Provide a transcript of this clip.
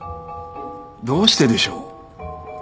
どうしてでしょう？